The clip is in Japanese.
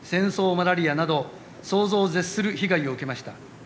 マラリアなど想像を絶する被害を受けました。